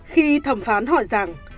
khi thẩm phán hỏi rằng